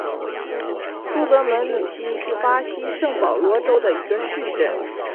苏德门努西是巴西圣保罗州的一个市镇。